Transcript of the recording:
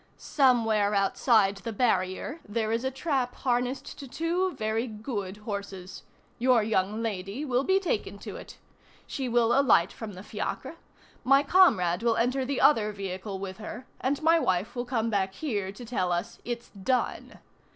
Somewhere, outside the barrier, there is a trap harnessed to two very good horses. Your young lady will be taken to it. She will alight from the fiacre. My comrade will enter the other vehicle with her, and my wife will come back here to tell us: 'It's done.